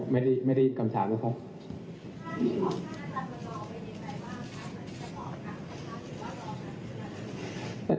ไม่ได้ไม่ได้อีกคำถามนะครับ